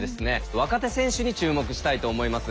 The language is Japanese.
若手選手に注目したいと思います。